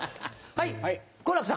はい。